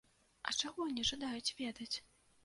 А чаго не жадаюць ведаць?